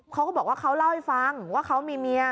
เขาก็บอกว่าเขาเล่าให้ฟังว่าเขามีเมีย